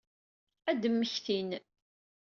Ad d-mmektin.